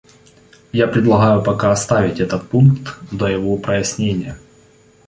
Я предлагаю пока оставить этот пункт до его прояснения.